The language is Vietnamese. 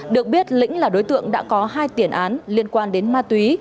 được biết lĩnh là đối tượng đã có hai tiền án liên quan đến ma túy